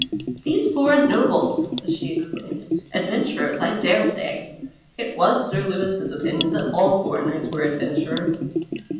" These foreign nobles," she exclaimed, " adventurers, I daresay ! It was Sir Lewis's opinion that all foreigners were adventurers.